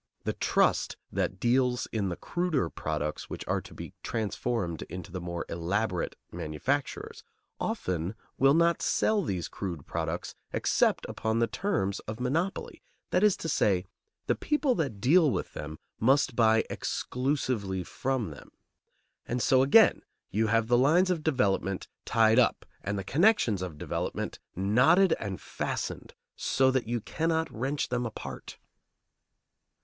The trust that deals in the cruder products which are to be transformed into the more elaborate manufactures often will not sell these crude products except upon the terms of monopoly, that is to say, the people that deal with them must buy exclusively from them. And so again you have the lines of development tied up and the connections of development knotted and fastened so that you cannot wrench them apart.